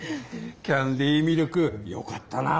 キャンディミルクよかったな。